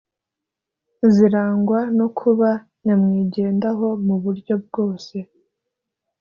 zirangwa no kuba nyamwigendaho mu buryo bwose